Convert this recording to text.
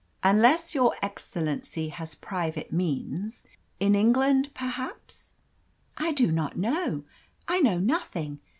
"Unless your excellency has private means in England, perhaps." "I do not know I know nothing.